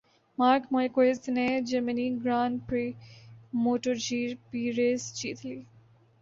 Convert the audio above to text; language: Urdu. مارک مارکوئز نے جرمنی گران پری موٹو جی پی ریس جیت لی